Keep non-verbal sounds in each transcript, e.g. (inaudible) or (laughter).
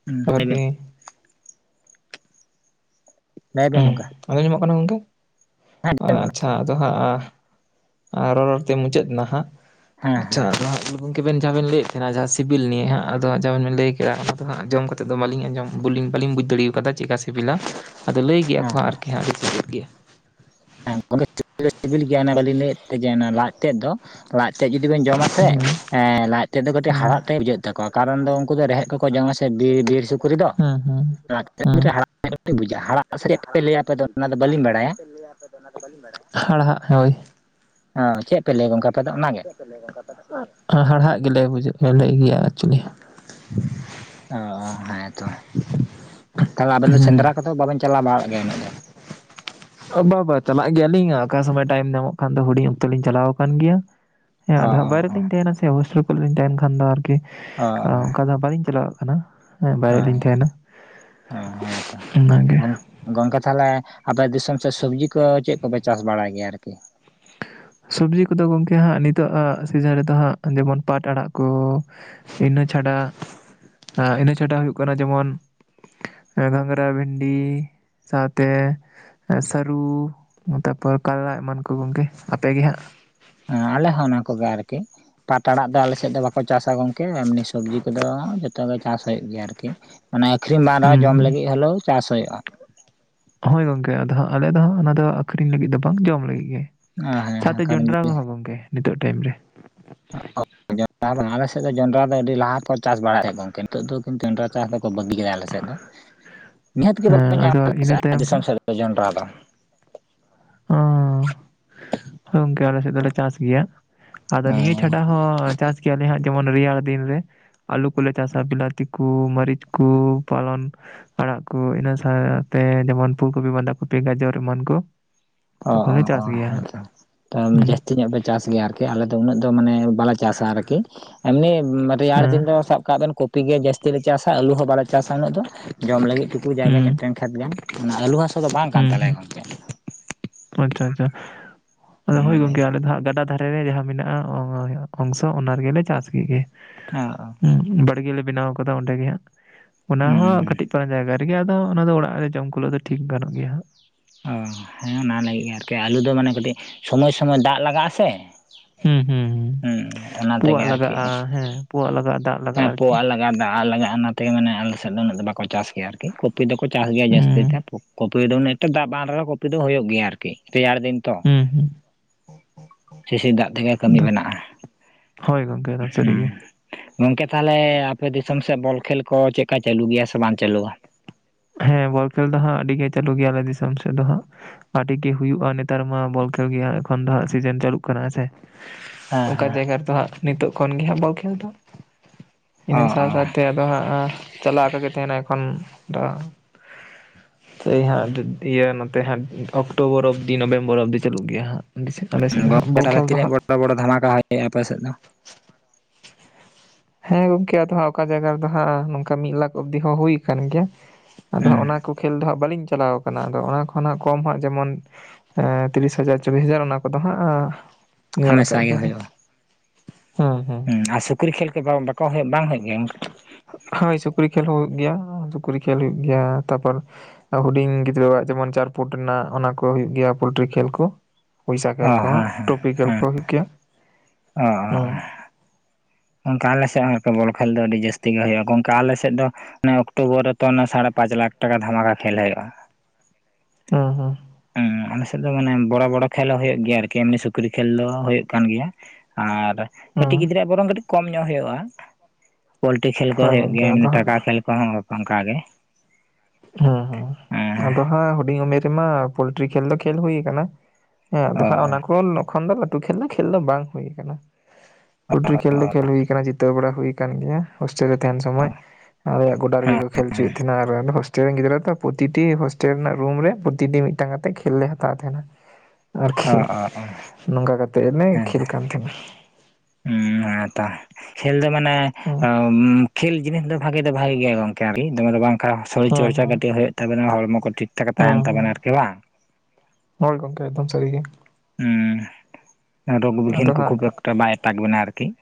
(unintelligible) ᱟᱨᱠᱤ ᱞᱟᱹᱭᱵᱮᱱ ᱱᱚᱝᱠᱟ ᱟᱸᱡᱚᱢ ᱧᱟᱢᱚᱜ ᱠᱟᱱᱟ ᱜᱚᱝᱠᱮ, ᱟᱪᱷᱟ ᱟᱫᱚ ᱦᱟᱸᱜ ᱟᱨ ᱨᱚᱲ-ᱨᱚᱲᱛᱮ ᱢᱩᱪᱟᱹᱫ ᱮᱱᱟ ᱦᱟᱸᱜ᱾ ᱠᱟᱱᱟ ᱦᱮᱸ ᱟᱪᱷᱟ᱾ ᱜᱚᱢᱠᱮ ᱟᱵᱮᱱ ᱡᱟᱦᱟᱸ ᱵᱮᱱ ᱞᱟᱹᱭᱮᱫ ᱛᱟᱦᱮᱱᱟ ᱡᱟᱦᱟᱸ ᱥᱤᱵᱤᱞ ᱱᱤᱭᱮ ᱦᱟᱸᱜ ᱟᱫᱚ ᱡᱟᱦᱟᱸ ᱵᱮᱱ ᱞᱟᱹᱭ ᱠᱮᱜ-ᱟ ᱚᱱᱟ ᱫᱚ ᱦᱟᱜ ᱟᱸᱡᱚᱢ ᱠᱟᱛᱮᱫ ᱫᱚ ᱵᱟᱞᱤᱧ ᱟᱸᱡᱚᱢ ᱵᱟᱞᱤᱧ ᱵᱟᱞᱤᱧ ᱵᱩᱡᱽ ᱫᱟᱲᱮᱣ ᱟᱠᱟᱫᱟ ᱪᱮᱫᱠᱟ ᱥᱤᱵᱤᱞᱟ ᱟᱫᱚ ᱞᱟᱹᱭ ᱜᱮᱭᱟ ᱠᱚ ᱦᱮᱸ ᱟᱨᱠᱤ ᱦᱟᱸᱜ ᱟᱹᱰᱤ ᱥᱤᱵᱤᱞ ᱜᱮᱭᱟ ᱾ ᱥᱤᱵᱤᱞ ᱜᱮᱭᱟ ᱚᱱᱟ ᱵᱟᱟᱹᱞᱤᱧ ᱞᱟᱹᱭᱮᱫ ᱛᱮ ᱡᱮ ᱞᱟᱡ ᱛᱮᱫ ᱫᱚ ᱞᱟᱡ ᱛᱮᱫ ᱡᱩᱫᱤ ᱵᱤᱱ ᱡᱚᱢ ᱟᱥᱮ ᱦᱩᱸ ᱮᱸ ᱞᱟᱡ ᱛᱮᱫ ᱫᱚ ᱠᱟᱹᱴᱤᱡ ᱦᱟᱲᱦᱟᱜ ᱛᱮ ᱵᱩᱡᱟᱹᱜ ᱛᱟᱠᱚᱣᱟ ᱠᱟᱨᱚᱱ ᱫᱚ ᱩᱱᱠᱩ ᱨᱮᱦᱮᱫ ᱠᱚ ᱠᱚ ᱡᱚᱢᱟ ᱥᱮ ᱵᱤᱨ ᱵᱤᱨ ᱥᱩᱠᱨᱤ ᱫᱚ ᱦᱩᱸ ᱦᱩᱸ ᱾ ᱦᱩᱸ (inaudible) ᱚᱱᱟ ᱫᱚ ᱵᱟᱹᱞᱤᱧ ᱵᱟᱲᱟᱭᱟ᱾ ᱚᱱᱟ ᱫᱚ ᱵᱟᱞᱤᱧ ᱵᱟᱲᱟᱭᱟ ᱦᱟᱲᱦᱟᱜ ᱦᱳᱭ ᱾ ᱚᱸ ᱪᱮᱫ ᱯᱮ ᱞᱟᱹᱭᱟ ᱜᱚᱝᱠᱮ? ᱟᱯᱮ ᱫᱚ ᱚᱱᱟᱜᱮ (inaudible) ᱦᱟᱦᱟᱲᱟᱜ ᱜᱮᱞᱮ ᱵᱩᱡᱷᱟᱹᱜ ᱠᱟᱱᱟ ᱞᱟᱹᱭ ᱜᱮᱭᱟ ᱮᱠᱪᱩᱞᱤ᱾ ᱚ ᱦᱮᱸ ᱛᱚᱵᱮ, ᱛᱟᱦᱚᱞᱮ ᱟᱵᱮᱱ ᱫᱚ ᱥᱮᱸᱫᱽᱨᱟ ᱦᱩᱸ᱾ ᱠᱚᱫᱚ ᱵᱟᱵᱮᱱ ᱪᱟᱞᱟᱣ ᱵᱟᱲᱟᱜ ᱜᱮᱭᱟ ᱩᱱᱟᱹᱜ ᱫᱚ ᱾ (inaudible) ᱵᱟ ᱵᱟ ᱪᱟᱞᱟᱜ ᱜᱮᱭᱟᱞᱤᱧ ᱚᱠᱟ ᱥᱚᱢᱚᱭ ᱴᱟᱭᱤᱢ ᱧᱟᱢᱚᱜ ᱠᱷᱟᱱ ᱫᱚ ᱦᱩᱰᱤᱧ ᱚᱠᱛᱚ ᱞᱤᱧ ᱪᱟᱞᱟᱣ ᱠᱟᱱ ᱜᱮᱭᱟ ᱾ ᱦᱮᱸ ᱚ ᱟᱫᱚ ᱚ ᱦᱟᱸᱜ ᱵᱟᱭᱨᱮ ᱞᱤᱧ ᱛᱟᱦᱮᱸᱱᱟ ᱥᱮ ᱦᱳᱥᱴᱮᱞ ᱠᱚ ᱨᱮᱞᱤᱧ ᱛᱟᱦᱮᱸᱱ ᱠᱷᱟᱱ ᱫᱚ ᱟᱨᱠᱤ ᱚ ᱟᱸ ᱚᱝᱠᱟ ᱫᱚ ᱦᱟᱸᱜ ᱵᱟᱹᱞᱤᱧ ᱪᱟᱞᱟᱣ ᱟᱠᱟᱱᱟ ᱾ ᱦᱮᱸ ᱚ ᱵᱟᱭᱨᱮ ᱞᱤᱧ ᱛᱟᱦᱮᱸᱱᱟ, ᱚ ᱦᱮᱸ ᱛᱚ ᱚᱱᱟ ᱜᱮ ᱾ ᱜᱚᱝᱠᱮ ᱛᱟᱦᱚᱞᱮ ᱟᱯᱮ ᱫᱤᱥᱚᱢ ᱥᱮᱫ ᱥᱚᱵᱡᱤ ᱠᱚ ᱪᱮᱫ ᱠᱚᱯᱮ ᱪᱟᱥ ᱵᱟᱲᱟᱭ ᱜᱮᱭᱟ ᱟᱨᱠᱤ? ᱥᱚᱵᱽᱡᱤ ᱠᱚᱫᱚ ᱜᱚᱝᱠᱮ ᱦᱟᱸᱜ ᱱᱤᱛᱚᱜ ᱥᱤᱡᱤᱱ ᱨᱮᱫᱚ ᱦᱟᱸᱜ ᱠᱷᱟᱱ ᱡᱮᱢᱚᱱ ᱯᱟᱴ ᱟᱲᱟᱜ ᱠᱚ, ᱤᱱᱟᱹ ᱪᱷᱟᱰᱟ, ᱤᱱᱟᱹ ᱪᱷᱟᱰᱟ ᱦᱩᱭᱩᱜ ᱠᱟᱱᱟ ᱡᱮᱢᱚᱱ ᱮᱞᱚᱵᱮᱨᱟ, ᱵᱷᱮᱱᱰᱤ ᱥᱟᱶᱛᱮ ᱮᱸ ᱥᱟᱹᱨᱩ ᱛᱟᱨᱯᱚᱨ ᱠᱟᱨᱞᱟ ᱮᱢᱟᱱ ᱠᱚ ᱜᱚᱝᱠᱮ, ᱟᱯᱮ ᱜᱮ ᱦᱟᱸᱜ? ᱮᱸ ᱟᱞᱮ ᱦᱚᱸ ᱚᱱᱟ ᱠᱚᱜᱮ ᱟᱨᱠᱤ ᱾ ᱯᱟᱴ ᱟᱲᱟᱜ ᱫᱚ ᱟᱞᱮ ᱥᱮᱫ ᱫᱚ ᱵᱟᱠᱚ ᱪᱟᱥᱟ ᱜᱚᱝᱠᱮ ᱮᱢᱱᱤ ᱥᱚᱵᱡᱤ ᱠᱚᱫᱚ ᱡᱚᱛᱚ ᱜᱮ ᱪᱟᱥ ᱦᱩᱭᱩᱜ ᱜᱮᱭᱟ ᱟᱨᱠᱤ ᱾ ᱢᱟᱱᱮ ᱟᱠᱷᱨᱤᱧ ᱵᱟᱝ ᱨᱮᱦᱚᱸ ᱦᱩᱸ ᱡᱚᱢ ᱦᱩᱸ ᱞᱟᱹᱜᱤᱫ ᱦᱚᱞᱮᱣᱳ ᱪᱟᱥ ᱦᱩᱭᱩᱜᱼᱟ ᱾ ᱦᱳᱭ ᱜᱚᱝᱠᱮ ᱟᱫᱚ ᱦᱟᱸᱜ ᱟᱞᱮ ᱫᱚ ᱦᱟᱸᱜ ᱚᱱᱟᱫᱚ ᱟᱠᱷᱨᱤᱧ ᱞᱟᱹᱜᱤᱫ ᱫᱚ ᱵᱟᱝ ᱡᱚᱢ ᱞᱟᱹᱜᱤᱫ ᱜᱮ ᱾ ᱦᱮᱸ ᱥᱟᱶᱛᱮ ᱦᱮᱸ ᱡᱚᱱᱰᱨᱟ ᱠᱚᱦᱚᱸ ᱜᱚᱝᱠᱮ ᱱᱤᱛᱚᱜ ᱴᱟᱭᱤᱢ ᱨᱮ ᱾ (inaudible) ᱟᱞᱮᱥᱮᱫ ᱫᱚ ᱡᱚᱱᱰᱨᱟ ᱫᱚ ᱟᱹᱰᱤ ᱞᱟᱦᱟ ᱯᱚᱨ ᱪᱟᱥ ᱵᱟᱲᱟᱭᱮᱫ ᱛᱟᱦᱮᱸᱫ ᱜᱚᱝᱠᱮ ᱱᱤᱛᱚᱜ ᱫᱚ (inaudible) ᱡᱚᱱᱰᱨᱟ ᱪᱟᱥ ᱫᱚᱠᱚ ᱵᱟᱹᱜᱤ ᱠᱮᱫᱟ ᱟᱞᱮ ᱥᱮᱫ ᱫᱚ ᱾ ᱦᱮᱸ ᱟᱫᱚ ᱤᱱᱟᱹ ᱛᱟᱭᱚᱢ (inaudible) ᱛᱮ ᱡᱚᱱᱰᱨᱟ ᱫᱚ ᱾ ᱦᱩᱸ᱾ ᱜᱚᱝᱠᱮ ᱟᱞᱮ ᱥᱮᱫ ᱫᱚᱞᱮ ᱪᱟᱥ ᱜᱮᱭᱟ, ᱟᱫᱚ ᱦᱮᱸ ᱱᱤᱭᱟᱹ ᱪᱷᱟᱰᱟ ᱦᱚᱸ ᱪᱟᱥ ᱜᱮᱭᱟᱞᱮ ᱦᱟᱸᱜ ᱡᱮᱢᱚᱱ ᱨᱮᱭᱟᱲ ᱫᱤᱱ ᱨᱮ᱾ ᱟᱹᱞᱩ ᱠᱚᱞᱮ ᱪᱟᱥᱟ ᱵᱤᱞᱟᱛᱤ ᱠᱚ, ᱢᱟᱹᱨᱤᱪ ᱠᱚ, ᱯᱟᱞᱚᱱ ᱟᱲᱟᱜ ᱠᱚ ᱤᱱᱟᱹ ᱥᱟᱶᱛᱮ ᱡᱮᱢᱚᱱ ᱯᱷᱩᱞ ᱠᱚᱯᱤ, ᱵᱟᱸᱫᱷᱟ ᱠᱚᱯᱤ, ᱜᱟᱡᱚᱨ ᱮᱢᱟᱱ ᱠᱚ ᱾ ᱛᱚᱠᱷᱚᱱ ᱞᱮ ᱪᱟᱥ ᱜᱮᱭᱟ ᱦᱟᱸᱜ ᱾ ᱛᱚ ᱡᱟᱹᱥᱛᱤ ᱧᱚᱜ ᱯᱮ ᱪᱟᱥ ᱜᱮᱭᱟ ᱟᱨᱠᱤ ᱟᱞᱮ ᱫᱚ ᱩᱱᱟᱹᱜ ᱫᱚ ᱢᱟᱱᱮ ᱵᱟᱞᱮ ᱪᱟᱥᱟ ᱟᱨᱠᱤ, ᱮᱢᱱᱤ ᱩᱸᱢ ᱨᱮᱭᱟᱲ ᱦᱮᱸ ᱫᱤᱱ ᱫᱚ ᱥᱟᱵ ᱠᱟᱜ ᱵᱮᱱ ᱠᱚ ᱯᱤ ᱜᱮ ᱡᱟᱹᱥᱛᱤ ᱞᱮ ᱪᱟᱥᱟ ᱟᱹᱞᱩ ᱦᱚᱸ ᱵᱟᱞᱮ ᱪᱟᱥᱟ ᱩᱱᱟᱹᱜ ᱫᱚ, ᱡᱚᱢ ᱞᱟᱹᱜᱤᱫ ᱴᱩᱠᱩ ᱡᱟᱜᱮ ᱦᱩᱸ ᱢᱤᱫᱴᱮᱱ ᱠᱷᱮᱛ ᱜᱟᱱ, ᱚᱱᱟ ᱟᱹᱞᱩ (inaudible) ᱠᱚᱫᱚ ᱵᱟᱝ ᱠᱟᱱ ᱦᱩᱸ ᱛᱟᱞᱮᱭᱟ ᱦᱩᱸ ᱜᱚᱝᱠᱮ ᱾ ᱟᱪᱪᱷᱟ ᱟᱪᱪᱷᱟ, ᱟᱫᱚ ᱦᱳᱭ ᱜᱚᱝᱠᱮ ᱟᱞᱮ ᱫᱚ ᱦᱟᱸᱜ ᱜᱟᱰᱟ ᱫᱷᱟ ᱨᱮ ᱨᱮ ᱡᱟᱦᱟᱸ ᱢᱮᱱᱟᱜᱼᱟ ᱚᱝᱥᱚ ᱚᱱᱟ ᱨᱮᱜᱮ ᱞᱮ ᱪᱟᱥ ᱠᱮᱫ ᱜᱮ᱾ ᱚ ᱚ ᱵᱟᱲᱜᱮ ᱵᱮᱱᱟᱣ ᱟᱠᱟᱫᱟ ᱚᱸᱰᱮ ᱜᱮ ᱦᱟᱸᱜ᱾ ᱚᱱᱟ ᱦᱩᱸ ᱦᱚᱸ ᱠᱟᱹᱴᱤᱡ ᱯᱟᱨᱟᱝ ᱡᱟᱭᱜᱟ ᱨᱮᱜᱮ ᱟᱫᱚ ᱚᱱᱟ ᱫᱚ ᱚᱲᱟᱜ ᱨᱮ ᱡᱚᱢ ᱠᱩᱞᱟᱹᱜ‌ ᱫᱚ ᱴᱷᱤᱠ ᱜᱟᱱᱚᱜ ᱜᱮᱭᱟ ᱦᱟᱸᱜ᱾ ᱚ ᱦᱮᱸ ᱚᱱᱟ ᱞᱟᱹᱜᱤᱫ ᱜᱮ ᱟᱨᱠᱤ ᱟᱞᱩ ᱫᱚ ᱢᱟᱱᱮ ᱠᱟᱹᱴᱤᱡ ᱥᱚᱢᱚᱭ ᱥᱚᱢᱚᱭ ᱫᱟᱜ ᱞᱟᱜᱟᱜᱼᱟ ᱥᱮ ᱾ ᱦᱩᱸ ᱦᱩᱸ ᱦᱩᱸ, ᱯᱳᱣᱟ ᱛᱮᱜᱮ ᱟᱨᱠᱤ ᱞᱟᱜᱟᱜ-ᱟ ᱦᱮᱸ ᱯᱳᱣᱟᱜ ᱞᱟᱜᱟᱜ-ᱟ ᱫᱟᱜ ᱦᱮᱸ ᱞᱟᱜᱟᱜ-ᱟ ᱟᱨᱠᱤ᱾ (inaudible) ᱫᱟᱜ ᱞᱟᱜᱟᱜ-ᱟ ᱚᱱᱟᱛᱮ ᱢᱟᱱᱮ ᱟᱞᱮ ᱥᱮᱫ ᱫᱚ ᱩᱱᱟᱹᱜ ᱫᱚ ᱵᱟᱠᱚ ᱪᱟᱥ ᱜᱮᱭᱟ ᱟᱨᱠᱤ ᱠᱚᱯᱤ ᱫᱚᱠᱚ ᱪᱟᱥ ᱜᱮᱭᱟ ᱡᱟᱹᱥᱛᱤ ᱦᱩᱸ ᱛᱮ (inaudible) ᱯᱟᱹ ᱫᱚ ᱢᱟᱱᱮ ᱮᱠᱴᱟ ᱫᱟᱜ ᱵᱟᱝ ᱨᱮᱦᱚᱸ ᱠᱚᱯᱤ ᱫᱚ ᱦᱳᱭᱳᱜ ᱜᱮᱭᱟ ᱟᱨᱠᱤ ᱨᱮᱭᱟᱲ ᱫᱤᱱ ᱛᱚ, ᱦᱩᱸ ᱦᱩᱸ ᱥᱤᱥᱤᱨ ᱫᱟᱜ ᱛᱮᱜᱮ ᱠᱟᱹᱢᱤ ᱵᱮᱱᱟᱜ ᱦᱭ ᱜᱚᱝᱠᱮ᱾ ᱮᱠᱫᱚᱢ ᱦᱩᱸ᱾ ᱥᱟᱹᱨᱤᱜᱮ ᱜᱚᱝᱠᱮ ᱛᱟᱦᱚᱞᱮ ᱟᱯᱮ ᱫᱤᱥᱚᱢ ᱥᱮᱫ ᱵᱚᱞ ᱠᱷᱮᱞ ᱠᱚ ᱪᱮᱫᱠᱟ ᱪᱟᱹᱞᱩᱜ ᱜᱮᱭᱟ ᱥᱮ ᱵᱟᱝ ᱪᱟᱹᱞᱩᱜ-ᱟ? ᱦᱮᱸ ᱵᱚᱞ ᱠᱷᱮᱞ ᱫᱚ ᱦᱟᱸᱜ ᱟᱹᱰᱤ ᱜᱮ ᱪᱟᱹᱞᱩ ᱜᱮᱭᱟᱞᱮ ᱫᱤᱥᱚᱢ ᱥᱮᱫ ᱫᱚ ᱦᱟᱸᱜ, ᱟᱰᱤ ᱜᱮ ᱦᱩᱭᱩᱜᱼᱟ ᱱᱮᱛᱟᱨ ᱢᱟ ᱵᱚᱞ ᱠᱷᱮᱞ ᱜᱮ ᱦᱟᱸᱜ ᱮᱠᱷᱚᱱ ᱫᱚ ᱦᱟᱸᱜ ᱥᱤᱡᱮᱱ ᱪᱟᱹᱞᱩᱜ ᱠᱟᱱᱟ ᱦᱮᱸ ᱥᱮ᱾ ᱦᱮᱸ ᱚᱠᱟ ᱦᱮᱸ ᱡᱟᱭᱜᱟ ᱨᱮᱫᱚ ᱦᱟᱸᱜ ᱱᱤᱛᱳᱜ ᱠᱷᱚᱱ ᱜᱮ ᱦᱟᱸᱜ ᱵᱚᱞ ᱠᱷᱮᱞ ᱫᱚ, ᱚ ᱤᱱᱟᱹ ᱥᱟᱶ ᱚ ᱥᱟᱶ ᱛᱮ ᱟᱫᱚ ᱦᱟᱸᱜ ᱪᱟᱞᱟᱣ ᱟᱠᱟ ᱜᱮ ᱛᱟᱦᱮᱸᱱᱟ ᱮᱠᱷᱚᱱ ᱫᱚ᱾ (inaudible) ᱥᱮᱭ ᱦᱟᱸᱜ ᱤᱭᱟᱹ ᱱᱚᱛᱮ ᱦᱟᱸᱜ ᱚᱠᱴᱳᱵᱚᱨ ᱚᱵᱫᱤ ᱱᱚᱵᱷᱮᱢᱵᱚᱨ ᱚᱵᱫᱤ ᱪᱟᱹᱞᱩᱜ ᱜᱮᱭᱟ ᱦᱟᱸᱜ ᱾ ᱜᱚᱝᱠᱮ ᱛᱷᱟᱞᱮ ᱛᱤᱱᱟᱹᱜ ᱵᱚᱲᱚ ᱵᱚᱲᱚ ᱫᱷᱟᱢᱟᱠᱟ (inaudible) ᱟᱯᱮ ᱥᱮᱫ ᱫᱚ? ᱦᱮᱸ ᱜᱚᱝᱠᱮ ᱟᱫᱚ ᱦᱟᱸ ᱚᱠᱟ ᱡᱟᱭᱜᱟ ᱨᱮᱫᱚ ᱦᱟᱸᱜ ᱱᱚᱝᱠᱟ ᱢᱤᱜ ᱞᱟᱠᱷ ᱚᱵᱫᱤ ᱦᱚᱸ ᱦᱩᱭ ᱠᱟᱱ ᱜᱮᱭᱟ ᱾ ᱟᱫᱚ ᱦᱟᱸᱜ ᱦᱩᱸ ᱚᱱᱟ ᱠᱚ ᱠᱷᱮᱞ ᱫᱚ ᱦᱟᱸᱜ ᱵᱟᱹᱞᱤᱧ ᱪᱟᱞᱟᱣ ᱠᱟᱱᱟ ᱟᱫᱚ ᱚᱱᱟ ᱠᱷᱱᱟᱜ ᱠᱚᱢ ᱦᱟᱸᱜ ᱡᱮᱢᱚᱱ ᱮᱸ ᱛᱤᱨᱤᱥ ᱦᱟᱡᱟᱨ ᱪᱚᱞᱞᱤᱥ ᱦᱟᱡᱟᱨ ᱚᱱᱟ ᱠᱚᱫᱚ ᱦᱟᱸᱜ ᱧᱮᱞ ᱟᱠᱟᱜ ᱦᱟᱢᱮᱥᱟ ᱜᱮ ᱜᱮᱭᱟᱞᱤᱧ ᱦᱩᱭᱩᱜᱼᱟ ᱦᱩᱸ ᱦᱩᱸ ᱾ ᱥᱩᱠᱨᱤ ᱠᱷᱮᱞ ᱠᱚ ᱵᱟᱠᱚ ᱦᱮᱡ ᱵᱟᱝ ᱦᱩᱭᱩᱜ ᱜᱮᱭᱟ ᱚᱝᱠᱮ? ᱦᱳᱭ ᱥᱩᱠᱨᱤ ᱠᱷᱮᱞ ᱦᱚᱸ ᱦᱩᱭᱩᱜ ᱜᱮᱭᱟ ᱥᱩᱠᱨᱤ ᱠᱷᱮᱞ ᱦᱩᱭᱩᱜ ᱜᱮᱭᱟ ᱛᱟᱯᱚᱨ ᱾ ᱦᱩᱰᱤᱧ ᱜᱤᱫᱽᱨᱟᱹᱣᱟᱜ ᱡᱮᱢᱚᱱ ᱪᱟᱨᱯᱷᱩᱴ ᱱᱟᱜ ᱚᱱᱟ ᱠᱚ ᱦᱳᱭᱳᱜ ᱜᱮᱭᱟ ᱯᱳᱞᱴᱨᱤ ᱠᱷᱮᱞ ᱠᱚ ᱾ ᱯᱩᱭᱥᱟ ᱠᱮᱞ ᱚ ᱠᱚᱦᱚᱸ ᱦᱮᱸ ᱴᱨᱚᱯᱤᱠᱮᱞ ᱠᱚ ᱦᱩᱭᱩᱜ ᱜᱮᱭᱟ ᱾ (unintelligible) ᱚᱝᱠᱟ ᱟᱞᱮ ᱥᱮᱫ ᱦᱚᱸ ᱮᱠᱤ ᱵᱚᱞ ᱠᱷᱮᱞ ᱫᱚ ᱟᱹᱰᱤ ᱡᱟᱹᱥᱛᱤ ᱜᱮ ᱦᱳᱭᱳᱜᱼᱟ ᱜᱚᱝᱠᱟ ᱟᱞᱮ ᱥᱮᱫ ᱫᱚ ᱱᱮ ᱚᱠᱴᱳᱵᱚᱨ ᱨᱮᱛᱚ ᱚᱱᱮ ᱥᱟᱲᱮ ᱯᱟᱸᱪ ᱞᱟᱠᱷ ᱴᱟᱠᱟ ᱫᱷᱟᱢᱟᱠᱟ ᱠᱷᱮᱞ ᱦᱳᱭᱳᱜᱼᱟ ᱾ ᱩᱸ ᱦᱩᱸ (inaudible) ᱟᱞᱮ ᱥᱮᱫ ᱫᱚ ᱢᱟᱱᱮ ᱵᱚᱲᱚ ᱵᱚᱲᱚ ᱠᱷᱮᱞ ᱦᱚᱸ ᱦᱳᱭᱳᱜ ᱜᱮᱭᱟ ᱟᱨᱠᱤ ᱮᱢᱱᱤ ᱥᱩᱠᱨᱤ ᱠᱷᱮᱞ ᱫᱚ ᱦᱳᱭᱳᱜ ᱠᱟᱱ ᱜᱮᱭᱟ ᱾ ᱟᱨ ᱦᱮᱸ ᱠᱟᱹᱴᱤᱡ ᱜᱤᱫᱽᱨᱟᱹ ᱟᱜ ᱵᱚᱨᱚᱝ ᱠᱟᱹᱴᱤᱡ ᱠᱚᱢ ᱧᱚᱜ ᱦᱳᱭᱳᱜᱼᱟ ᱾ᱯᱳᱞᱴᱤ ᱠᱷᱮᱞ ᱠᱚ ᱦᱳᱭ ᱦᱳᱭᱳᱜ ᱜᱚᱝᱠᱮ ᱜᱮᱭᱟ ᱟᱫᱚ ᱮᱢᱱᱤ ᱦᱟᱸᱜ ᱴᱟᱠᱟ ᱠᱷᱮᱞ ᱾ ᱠᱚᱦᱚᱸ ᱠᱚᱝᱜᱟ ᱜᱮ ᱾ ᱦᱩᱸ ᱦᱩᱸ, ᱟᱫᱚ ᱦᱟᱸᱜ ᱦᱩᱰᱤᱧ ᱩᱢᱮᱨ ᱨᱮᱢᱟ ᱯᱳᱞᱴᱨᱤ ᱠᱷᱮᱞ ᱫᱚ ᱠᱷᱮᱞ ᱦᱩᱭ ᱠᱟᱱᱟ ᱦᱮᱸ ᱟᱫᱚ ᱚ ᱦᱟᱸᱜ ᱚᱱᱟ ᱠᱚ ᱾ ᱠᱚᱞ ᱠᱷᱚᱱ ᱫᱚ ᱞᱟᱹᱴᱩ ᱠᱷᱮᱞ ᱫᱚ ᱠᱷᱮᱞ ᱫᱚ ᱵᱟᱝ ᱦᱩᱭ ᱠᱟᱱᱟ (unintelligible) ᱠᱷᱮᱞ ᱫᱚ ᱠᱷᱮᱞ ᱦᱩᱭ ᱠᱟᱱᱟ ᱡᱤᱛᱟᱹᱣ ᱵᱟᱲᱟ ᱦᱩᱭ ᱠᱟᱱ ᱜᱮᱭᱟ ᱦᱳᱥᱴᱮᱞ ᱨᱮ ᱛᱟᱦᱮᱱ ᱚ ᱥᱚᱢᱚᱭ ᱾ ᱟᱞᱮᱭᱟᱜ ᱜᱚᱰᱟ ᱨᱮ ᱜᱮᱠᱚ ᱠᱷᱮᱞ ᱪᱩᱭᱮᱜ ᱛᱷᱮᱱᱟ ᱟᱨ ᱾ ᱴᱮᱱ ᱨᱮᱱ ᱜᱤᱫᱽᱨᱟᱹ ᱫᱚ ᱯᱨᱚᱛᱤᱴᱤ ᱦᱳᱥᱴᱮᱞ ᱨᱮᱱᱟᱜ ᱨᱩᱢ ᱨᱮ ᱯᱨᱚᱛᱤᱴᱤ ᱢᱤᱫᱴᱟᱝ ᱠᱟᱛᱮᱫ ᱠᱷᱮᱞ ᱞᱮ ᱦᱟᱛᱟᱣ ᱛᱟᱦᱮᱱᱟ ᱾ ᱟᱨᱠᱤ ᱚ ᱚ ᱚ ᱱᱚᱝᱠᱟ ᱠᱟᱛᱮᱜ ᱱᱮ ᱦᱮᱸᱛᱚ ᱠᱷᱮᱞ ᱠᱟᱱ ᱛᱷᱮᱱᱟ ᱾ ᱦᱩᱸ ᱚ ᱛᱚ ᱠᱷᱮᱞ ᱫᱚ ᱢᱟᱱᱮ ᱦᱮᱸ (inaudible) ᱠᱷᱮᱞ ᱡᱤᱱᱤᱥ ᱫᱚ ᱵᱷᱟᱜᱮ ᱫᱚ ᱵᱷᱟᱜᱮ ᱜᱮᱭᱟ ᱜᱚᱝᱠᱮ ᱟᱨᱠᱤ ᱫᱚᱢᱮ ᱫᱚ ᱵᱟᱝ ᱾ ᱠᱟ ᱥᱚᱨᱤᱨ ᱦᱮᱸ ᱪᱚᱨᱪᱟ ᱠᱟᱹᱴᱤᱡ ᱦᱳᱭᱳᱜ ᱛᱟᱵᱤᱱᱟ ᱦᱚᱲᱢᱚ ᱠᱚ ᱴᱷᱤᱠ ᱴᱷᱟᱠ ᱛᱟᱦᱮᱱ ᱦᱮᱸ ᱛᱟᱵᱮᱱᱟ ᱦᱮᱸ ᱟᱨᱠᱤ ᱵᱟᱝ? ᱦᱳᱭ ᱜᱚᱝᱠᱮ ᱮᱫᱚᱢ ᱥᱟᱹᱨᱤ ᱜᱤ ᱾ (inaudible) ᱟᱨᱚ ᱟᱫᱚ ᱦᱟᱸᱜ (unintelligible) ᱵᱟᱭ ᱴᱟᱠ ᱵᱮᱱᱟ ᱟᱨᱠᱤ ᱾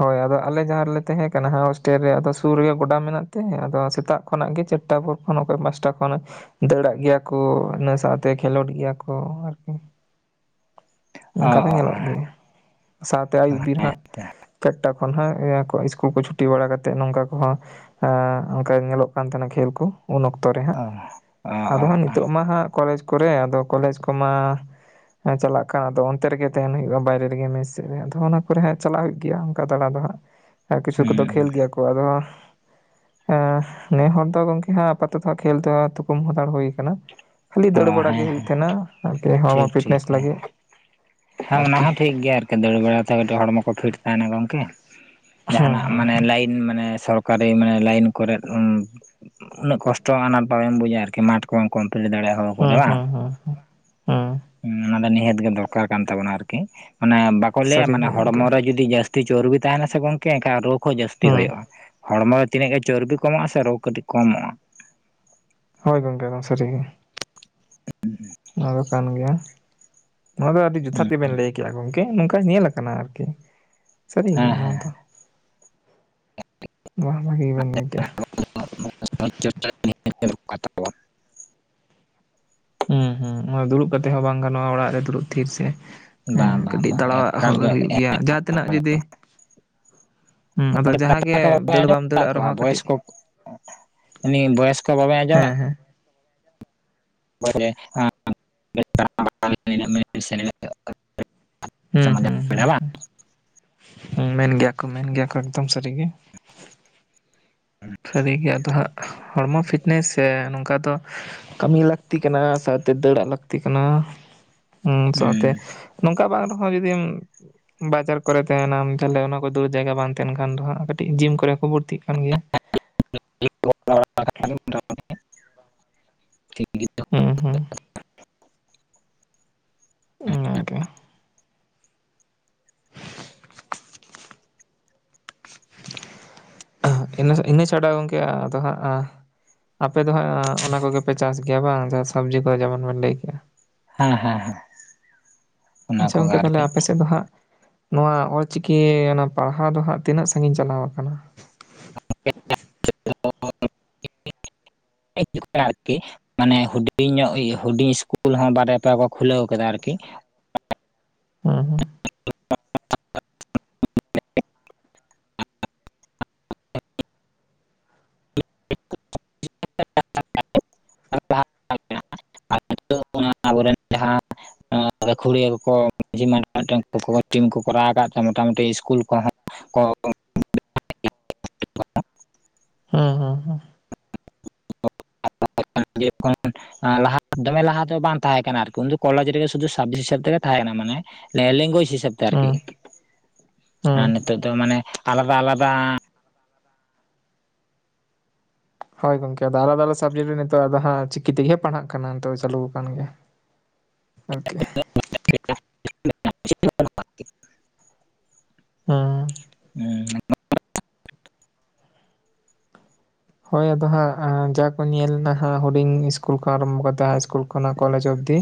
ᱦᱳᱭ ᱟᱫᱚ ᱟᱞᱮ ᱡᱟᱦᱟᱸ ᱨᱮᱞᱮ ᱛᱟᱦᱮᱸ ᱠᱟᱱᱟ ᱦᱳᱥᱴᱮᱞ ᱨᱮ ᱟᱫᱚ ᱥᱩᱨ ᱨᱮᱜᱮ ᱜᱚᱰᱟ ᱢᱮᱱᱟᱜ ᱛᱮ ᱟᱫᱚ ᱥᱮᱛᱟᱜ ᱠᱷᱚᱱᱟᱜ ᱜᱮ ᱪᱟᱴᱴᱟ ᱯᱚᱨ (unintelligible) ᱯᱟᱥᱴᱟ ᱠᱷᱚᱱ ᱫᱟᱹᱲᱟᱜ ᱜᱮᱭᱟ ᱠᱩ ᱤᱱᱟᱹ ᱥᱟᱶᱛᱮ ᱠᱷᱮᱞᱳᱰ ᱜᱮᱭᱟ ᱠᱚ ᱟᱨᱠᱤ ᱾ ᱚ ᱚᱝᱠᱟ ᱫᱚ ᱚ ᱧᱮᱞᱚᱜ ᱜᱮᱭᱟ ᱥᱟᱶᱛᱮ ᱟᱹᱭᱩᱵ ᱵᱤᱨ ᱦᱟᱸᱜ ᱾ ᱪᱟᱨᱴᱟ ᱠᱷᱚᱱ ᱦᱟᱜ ᱤᱭᱟᱹ ᱠᱚ ᱤᱥᱠᱩᱞ ᱠᱚ ᱪᱷᱩᱴᱤ ᱵᱟᱲᱟ ᱠᱟᱛᱮᱫ ᱱᱚᱝᱠᱟ ᱠᱚᱦᱚᱸ ᱮ ᱚᱱᱠᱟ ᱧᱮᱞᱚᱜ ᱠᱟᱱ ᱛᱷᱮᱱᱟ ᱠᱷᱮᱞ ᱠᱚ ᱩᱱ ᱚᱠᱛᱚ ᱨᱮ ᱦᱟᱸᱜ ᱚ ᱟᱫᱚ ᱚ ᱦᱟᱸᱜ ᱚ ᱱᱤᱛᱚᱜ ᱢᱟ ᱦᱟᱸᱜ ᱾ ᱠᱚᱞᱮᱡᱽ ᱠᱚᱨᱮ ᱟᱫᱚ ᱠᱚᱞᱮᱡᱽ ᱠᱚᱢᱟ ᱪᱟᱞᱟᱜ ᱠᱟᱱ ᱟᱫᱚ ᱚᱱᱛᱮ ᱨᱮᱜᱮ ᱛᱟᱦᱮᱱ ᱦᱩᱭᱩᱜᱼᱟ ᱵᱟᱭᱨᱮ ᱨᱮᱜᱮ ᱢᱮᱥ ᱥᱮᱫ ᱨᱮ ᱟᱫᱚ ᱚᱱᱟ ᱠᱚᱨᱮ ᱦᱟᱸᱜ ᱪᱟᱞᱟᱜ ᱦᱩᱭᱩᱜ ᱜᱮᱭᱟ ᱚᱱᱠᱟ ᱫᱟᱬᱟ ᱫᱚ ᱦᱟᱸᱜ ᱾ ᱟᱨ ᱠᱤᱪᱷᱩ ᱠᱚᱫᱚ ᱦᱩᱸ ᱠᱷᱮᱞ ᱜᱮᱭᱟ ᱠᱚ ᱟᱫᱚ ᱦᱟᱸᱜ ᱮᱸ ᱱᱮ ᱦᱚᱲ ᱫᱚ ᱜᱚᱝᱠᱮ ᱦᱟᱸ ᱟᱯᱟᱛᱚᱛᱚ ᱠᱷᱮᱞ ᱛᱚᱣᱟ ᱛᱷᱩᱠᱩᱢ ᱦᱟᱛᱟᱲ ᱦᱳᱭ ᱠᱟᱱᱟ ᱾ ᱠᱷᱟᱹᱞᱤ ᱚ ᱫᱟᱹᱲ ᱵᱟᱲᱟ ᱜᱮ ᱦᱮᱸ ᱦᱩᱭᱩᱜ ᱛᱷᱮᱱᱟ ᱟᱨᱠᱤ ᱦᱚᱲᱢᱚ ᱴᱷᱤᱠ ᱴᱷᱤᱠ ᱯᱷᱤᱴᱱᱮᱥ ᱦᱮᱸ ᱞᱟᱹᱜᱤᱫ ᱾ ᱦᱮᱸ ᱚᱱᱟ ᱦᱚᱸ ᱴᱷᱤᱠ ᱜᱮᱭᱟ ᱟᱨᱠᱤ ᱫᱟᱹᱲ ᱵᱟᱲᱟᱛᱮ ᱠᱟᱹᱴᱤᱡ ᱦᱚᱲᱢᱚ ᱠᱚ ᱯᱷᱤᱴ ᱛᱟᱦᱮᱱᱟ ᱜᱚᱝᱠᱮ ᱾ ᱦᱩᱸ ᱡᱟᱸᱦᱟᱱᱟᱜ ᱦᱩᱸ ᱢᱟᱱᱮ ᱞᱟᱭᱤᱱ ᱢᱟᱱᱮ ᱥᱚᱨᱠᱟᱨᱤ ᱢᱟᱱᱮ ᱞᱟᱭᱤᱱ ᱠᱚᱨᱮᱜ (inaudible) ᱩᱱᱟᱹᱜ ᱠᱚᱥᱴᱚ ᱟᱱᱟᱴ ᱵᱟᱵᱮᱢ ᱵᱩᱡᱟ ᱟᱨᱠᱤ ᱢᱟᱴ ᱠᱚᱢ ᱠᱚᱢᱯᱞᱤᱴ ᱫᱟᱲᱮᱭᱟᱜ᱾ ᱚ ᱠᱚᱨᱮ ᱦᱩᱸ ᱵᱟᱝ ᱦᱩᱸ ᱦᱩᱸ ᱦᱩᱸ ᱚᱱᱟ ᱫᱚ ᱱᱤᱦᱟᱹᱛ ᱜᱮ ᱫᱚᱨᱠᱟᱨ ᱠᱟᱱ ᱛᱟᱵᱚᱱᱟ ᱟᱨᱠᱤ ᱾ ᱢᱟᱱᱮ ᱵᱟᱠᱚ ᱞᱟᱹᱭᱟ ᱥᱟᱹᱨᱤ ᱢᱟᱱᱮ ᱜᱮ ᱜᱚᱝᱠᱮ ᱦᱚᱲᱢᱚ ᱨᱮ ᱡᱩᱫᱤ ᱡᱟᱹᱥᱛᱤ ᱪᱚᱨᱵᱤ ᱛᱟᱦᱮᱱᱟ ᱥᱮ ᱜᱚᱢᱠᱮ ᱮᱱᱠᱷᱟᱱ ᱨᱳᱜᱽ, ᱠᱚ ᱡᱟᱹᱥᱛᱤ ᱦᱩᱸ ᱦᱳᱭᱳᱜᱼᱟ, ᱦᱚᱲᱢᱚ ᱨᱮ ᱛᱤᱱᱟᱹᱜ ᱜᱮ ᱪᱚᱨᱵᱤ ᱠᱚᱢᱚᱜᱼᱟ ᱥᱮ ᱨᱳᱜᱽ ᱠᱟᱹᱴᱤᱡ ᱠᱚᱢᱚᱜᱼᱟ ᱾ ᱦᱳᱭ ᱜᱚᱢᱠᱮ ᱱᱚᱣᱟ ᱥᱟᱹᱨᱤ ᱜᱮ, ᱱᱚᱣᱟ ᱫᱚ ᱠᱟᱱ ᱜᱮᱭᱟ, ᱱᱚᱣᱟ ᱫᱚ ᱟᱹᱰᱤ ᱡᱩᱛᱷᱟᱛ ᱜᱮᱵᱤᱱ ᱞᱟᱹᱭ ᱠᱟᱜᱼᱟ ᱜᱚᱢᱠᱮ ᱾ ᱱᱚᱝᱠᱟ ᱧᱮᱞ ᱟᱠᱟᱱᱟ ᱟᱨᱠᱤ ᱾ ᱥᱟᱹᱨᱤ ᱦᱮᱸ ᱜᱮᱭᱟ ᱚᱱᱟ ᱫᱚ, ᱱᱚᱣᱟ ᱦᱚᱸ ᱵᱷᱟᱜᱮ ᱜᱮᱵᱤᱱ ᱞᱟᱹᱭ ᱠᱮᱜ-ᱟ ᱾ (inaudible) (inaudible) ᱦᱩᱸ ᱦᱩᱸ, ᱫᱩᱲᱩᱵ ᱠᱟᱛᱮ ᱦᱚᱸ ᱵᱟᱝ ᱜᱟᱱᱚᱜᱼᱟ ᱚᱲᱟᱜ ᱨᱮ ᱫᱩᱲᱩᱵ ᱛᱷᱤᱨ ᱥᱮ ᱾ ᱦᱮᱸ, ᱵᱟᱝ ᱵᱟᱝ ᱠᱟᱹᱴᱤᱡ ᱵᱟᱝ ᱫᱟᱲᱟᱣᱟᱜ ᱮᱠᱟᱞ ᱦᱚᱸ ᱜᱮ ᱦᱩᱭᱩᱜ ᱜᱮᱭᱟ ᱡᱟᱦᱟᱸ ᱛᱤᱱᱟᱹᱜ ᱡᱩᱫᱤ, ᱦᱩᱸ ᱟᱫᱚ ᱡᱟᱦᱟᱸᱜᱮ (inaudible) ᱫᱟᱹᱲ ᱟᱸᱡᱚᱢᱮᱫ ᱵᱟᱢ ᱫᱟᱹᱲᱟᱜ ᱛᱟᱠᱚᱣᱟ ᱨᱮᱦᱚᱸ ᱵᱚᱭᱮᱥ ᱠᱟᱹᱴᱤᱡ ᱠᱚ, ᱩᱱᱤ ᱵᱚᱭᱮᱥ ᱠᱚ ᱵᱟᱵᱮᱱ ᱟᱸᱡᱚᱢᱟ ᱦᱮᱸ ᱦᱮᱸ (inaudible) ᱦᱩᱸ ᱦᱩᱸ ᱦᱩᱸ ᱵᱟᱝ ᱦᱩᱸ, ᱢᱮᱱ ᱜᱮᱭᱟ ᱠᱚ ᱢᱮᱱ ᱜᱮᱭᱟ ᱠᱚ ᱮᱠᱫᱚᱢ ᱥᱟᱹᱨᱤ ᱜᱮ ᱾ ᱥᱟᱹᱨᱤ ᱜᱮ ᱟᱫᱚ ᱦᱟᱸᱜ, ᱦᱚᱲᱢᱚ ᱯᱷᱤᱴᱱᱮᱥ ᱥᱮ ᱱᱚᱝᱠᱟ ᱫᱚ ᱠᱟᱹᱢᱤ ᱞᱟᱹᱠᱛᱤ ᱠᱟᱱᱟ ᱥᱟᱣᱛᱮ ᱫᱟᱹᱲᱟᱜ ᱞᱟᱹᱠᱛᱤ ᱠᱟᱱᱟ, ᱦᱩᱸ ᱥᱟᱣᱛᱮ ᱦᱮᱸ ᱱᱚᱝᱠᱟ ᱵᱟᱝ ᱨᱮᱦᱚᱸ ᱡᱩᱫᱤᱢ, ᱵᱟᱡᱟᱨ ᱠᱚᱨᱮ ᱛᱟᱦᱮᱱᱟᱢ ᱛᱟᱦᱞᱮ ᱚᱱᱟ ᱠᱚ ᱫᱟᱹᱲ ᱡᱟᱭᱜᱟ ᱵᱟᱝ ᱛᱟᱦᱮᱱ ᱠᱷᱟᱱ ᱫᱚ ᱦᱟᱸᱜ ᱠᱟᱹᱴᱤᱡ ᱡᱤᱢ ᱠᱚᱨᱮ ᱦᱚᱸᱠᱚ ᱵᱷᱚᱨᱛᱤᱜ ᱠᱟᱱ ᱜᱮᱭᱟ ᱾ (inaudible) ᱦᱮᱸ ᱦᱮᱸ, ᱚᱱᱟᱜᱮ, ᱤᱱᱟᱹ ᱤᱱᱟᱹ ᱪᱷᱟᱰᱟ ᱜᱚᱝᱠᱮ ᱟᱫᱚ ᱦᱟᱸᱜ, ᱟᱯᱮ ᱫᱚ ᱦᱟᱸᱜ, ᱚᱱᱟ ᱠᱚᱜᱮᱯᱮ ᱪᱟᱥ ᱜᱮᱭᱟ ᱵᱟᱝ ᱥᱚᱵᱽᱡᱤ ᱠᱚ ᱡᱮᱢᱚᱱ ᱵᱮᱱ ᱞᱟᱹᱭ ᱠᱮᱭᱟ, ᱦᱮᱸ ᱚᱱᱟ ᱟᱪᱪᱷᱟ ᱠᱚᱜᱮ ᱜᱚᱝᱠᱮ ᱛᱟᱦᱚᱞᱮ ᱟᱨᱠᱤ ᱟᱯᱮ ᱥᱮᱫ ᱫᱚ ᱦᱟᱸᱜ? ᱱᱚᱣᱟ ᱚᱞᱪᱤᱠᱤ ᱚᱱᱟ ᱯᱟᱲᱦᱟᱣ ᱫᱚ ᱦᱟᱸᱜ ᱛᱤᱱᱟᱹᱜ ᱥᱟᱺᱜᱤᱧ ᱪᱟᱞᱟᱣ ᱟᱠᱟᱱᱟ? (inaudible) ᱟᱨᱠᱤ, ᱢᱟᱱᱮ ᱦᱩᱰᱤᱧ ᱧᱚᱜ ᱦᱩᱰᱤᱧ ᱤᱥᱠᱩᱞ ᱦᱚᱸ ᱵᱟᱨᱭᱟ ᱯᱮᱭᱟ ᱠᱚ ᱠᱷᱩᱞᱟᱹᱣ ᱠᱟᱫᱟ ᱟᱨᱠᱤ, ᱦᱩᱸ ᱦᱩᱸ, (inaudible) ᱟᱵᱚ ᱨᱮᱱ ᱡᱟᱦᱟᱸ, ᱜᱟᱹᱠᱷᱩᱲᱤᱭᱟᱹ ᱠᱚᱠᱚ ᱢᱟᱡᱷᱤ ᱢᱮᱫᱴᱟᱝ ᱴᱤᱢ ᱠᱚ ᱠᱚᱨᱟᱣ ᱟᱠᱟᱫ ᱛᱮ ᱢᱚᱴᱟᱢᱩᱴᱤ ᱤᱥᱠᱩᱞ ᱠᱚᱦᱚᱸ, ᱠᱚ, ᱦᱩᱸ ᱦᱩᱸ ᱦᱩᱸ, (inaudible) ᱞᱟᱦᱟ ᱫᱚᱢᱮ ᱞᱟᱦᱟ ᱛᱮᱦᱚᱸ ᱵᱟᱝ ᱛᱟᱦᱮᱸ ᱠᱟᱱᱟ ᱟᱨᱠᱤ ᱩᱱᱫᱚ ᱠᱚᱞᱮᱡᱽ ᱨᱮ ᱜᱮ ᱥᱩᱫᱩ ᱥᱟᱵᱽᱡᱮᱠᱴ ᱦᱤᱥᱟᱹᱵ ᱛᱮᱜᱮ ᱛᱟᱦᱮᱸ ᱠᱟᱱᱟ ᱢᱟᱱᱮ, ᱞᱮᱝᱜᱩᱭᱮᱡ ᱦᱤᱥᱟᱹᱵ ᱛᱮ ᱟᱨᱠᱤ, ᱦᱩᱸ ᱦᱩᱸ ᱟᱨ ᱱᱤᱛᱚᱜ ᱫᱚ ᱢᱟᱱᱮ ᱟᱞᱟᱫᱟ ᱟᱞᱟᱫᱟ, ᱦᱳᱭ ᱜᱚᱢᱮ ᱟᱫᱚ ᱟᱞᱟᱫᱟ ᱟᱞᱟᱫᱟ ᱥᱟᱵᱽᱡᱮᱠᱴ ᱨᱮ ᱱᱤᱛᱚᱜ ᱟᱫᱚ ᱦᱟᱸᱜ ᱪᱤᱠᱤ ᱛᱮᱜᱮ ᱯᱟᱲᱦᱟᱜ ᱠᱟᱱᱟ ᱱᱤᱛᱚᱜ ᱪᱟᱹᱞᱩ ᱠᱟᱱᱟ ᱜᱮᱭᱟ ᱾ (unintelligible) (inaudible) ᱦᱩᱸ, (inaudible) ᱦᱳᱭ ᱟᱫᱚ ᱦᱟᱸᱜ ᱡᱟ ᱠᱚ ᱧᱮᱞᱱᱟ ᱦᱟᱸᱜ ᱦᱩᱰᱤᱧ ᱤᱥᱠᱩᱞ ᱠᱷᱚᱱ ᱟᱨᱟᱢᱵᱷᱚ ᱠᱟᱛᱮ ᱦᱟᱭ ᱤᱥᱠᱩᱞ ᱠᱷᱚᱱᱟᱜ ᱠᱚᱞᱮᱡᱽ ᱚᱵᱽᱫᱤ,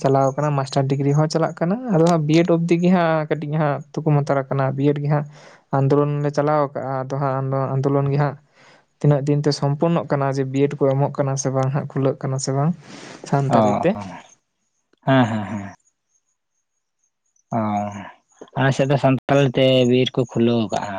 ᱪᱟᱞᱟᱣ ᱠᱟᱱᱟ ᱢᱟᱥᱴᱟᱨ ᱰᱤᱜᱽᱨᱤ ᱦᱚᱸ ᱪᱟᱞᱟᱜ ᱠᱟᱱᱟ ᱟᱫᱚ ᱦᱟᱸᱜ ᱵᱤᱭᱮᱰ ᱚᱵᱽᱫᱤ ᱜᱮ ᱦᱟᱸᱜ ᱠᱟᱹᱴᱤᱡ ᱦᱟᱸᱜ ᱾ ᱛᱩᱠᱚᱢ ᱦᱟᱛᱟᱲ ᱠᱟᱱᱟ ᱵᱤᱭᱮᱰ ᱜᱮ ᱦᱟᱸᱜ ᱟᱱᱫᱳᱞᱳᱱ ᱞᱮ ᱪᱟᱞᱟᱣ ᱟᱠᱟᱜᱼᱟ ᱟᱫᱚ ᱦᱟᱸᱜ ᱟᱱᱫᱳᱞᱳᱱ ᱜᱮ ᱦᱟᱸᱜ, ᱛᱤᱱᱟᱹᱜ ᱫᱤᱱᱛᱮ ᱥᱚᱢᱯᱩᱨᱱᱚ ᱠᱟᱱᱟ ᱡᱮ ᱵᱤᱭᱮᱰ ᱠᱚ ᱮᱢᱚᱜ ᱠᱟᱱᱟ ᱥᱮ ᱵᱟᱝ ᱦᱟᱸᱜ ᱠᱷᱩᱞᱟᱹᱜ ᱠᱟᱱᱟ ᱥᱮ ᱵᱟᱝ? ᱥᱟᱱᱛᱟᱞᱤ ᱛᱮ, ᱦᱮᱸ ᱦᱮᱸ᱾ ᱦᱮᱸ ᱚ ᱟᱞᱮ ᱥᱮᱫ ᱫᱚ ᱥᱟᱱᱛᱟᱞᱤ ᱛᱮ ᱵᱤᱨ ᱠᱩ ᱠᱷᱩᱞᱟᱹᱣ ᱠᱟᱜ-ᱟ᱾